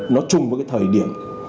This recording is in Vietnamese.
nó chung với cái thời điểm